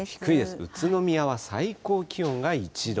宇都宮は最高気温が１度。